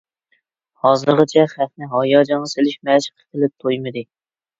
ھازىرغىچە خەقنى ھاياجانغا سېلىش مەشقى قىلىپ تويمىدى.